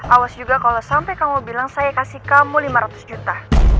awas juga kalau sampai kamu bilang saya kasih kamu lima ratus juta